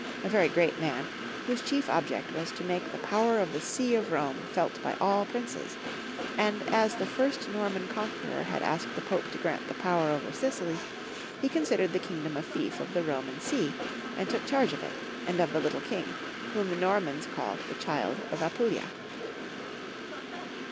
a very great man, whose chief object was to make the power of the See of Rome felt by all princes ; and as the first Norman conqueror had asked the Pope to grant the power over Sicily, he considered the kingdom a fief of the Roman See, and took charge of it and of the little king, whom the Normans called the Child of Apulia.